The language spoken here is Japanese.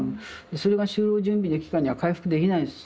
それが就労準備の期間には回復できないです。